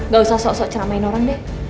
gak usah sok sok ceramain orang deh